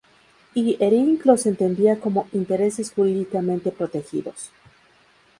Ihering los entendía como "intereses jurídicamente protegidos".